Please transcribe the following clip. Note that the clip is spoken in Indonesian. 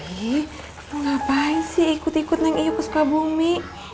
ih ngapain sih ikut ikut nek iyo kesuka bumi